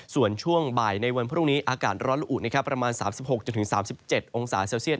ส่วนช่วงบ่ายในวันพรุ่งนี้อากาศร้อนละอุประมาณ๓๖๓๗องศาเซลเซียต